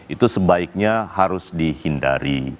itu sebaiknya harus dihindari